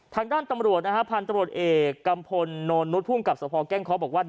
ทางด้านตำรวจนะฮะพันธุ์ตำรวจเอกกัมพลโนนุษย์ภูมิกับสภแก้งเคาะบอกว่า